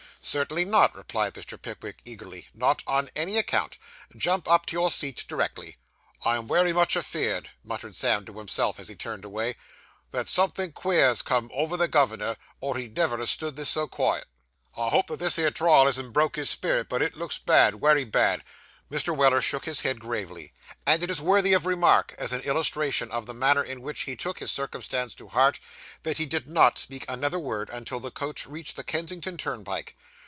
'Certainly not,' replied Mr. Pickwick eagerly; 'not on any account. Jump up to your seat directly.' 'I am wery much afeered,' muttered Sam to himself, as he turned away, 'that somethin' queer's come over the governor, or he'd never ha' stood this so quiet. I hope that 'ere trial hasn't broke his spirit, but it looks bad, wery bad.' Mr. Weller shook his head gravely; and it is worthy of remark, as an illustration of the manner in which he took this circumstance to heart, that he did not speak another word until the coach reached the Kensington turnpike.